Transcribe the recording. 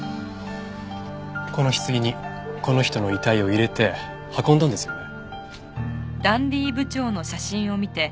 この棺にこの人の遺体を入れて運んだんですよね？